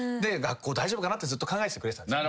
学校大丈夫かなってずっと考えてくれてた。